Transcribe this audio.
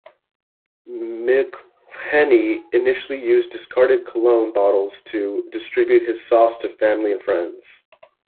McIlhenny initially used discarded cologne bottles to distribute his sauce to family and friends.